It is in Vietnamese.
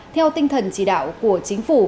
theo tinh thần chỉ đạo của chính phủ